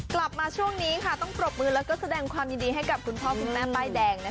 กลับมาช่วงนี้ค่ะต้องปรบมือแล้วก็แสดงความยินดีให้กับคุณพ่อคุณแม่ป้ายแดง